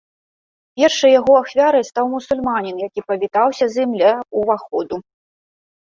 Першай яго ахвярай стаў мусульманін, які павітаўся з ім ля ўваходу.